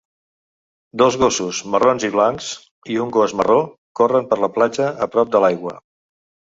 Dos gossos marrons i blancs i un gos marró corren per la platja a prop de l'aigua.